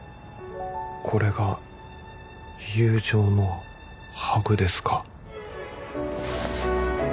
これが友情のハグですか？